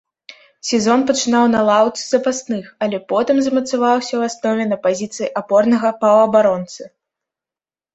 Сезон пачынаў на лаўцы запасных, але потым замацаваўся ў аснове на пазіцыі апорнага паўабаронцы.